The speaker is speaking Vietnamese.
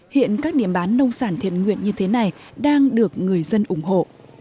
hiện các điểm bán nông sản thiện nguyện như thế này đang được người dân ủng hộ